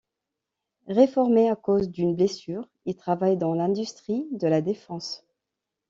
Réformé à cause d'une blessure, il travaille dans l'industrie de la défense.